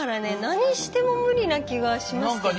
何しても無理な気がしますけど。